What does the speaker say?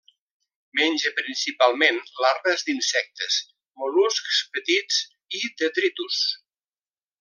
Menja principalment larves d'insectes, mol·luscs petits i detritus.